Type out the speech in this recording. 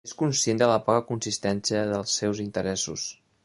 És conscient de la poca consistència dels seus interessos.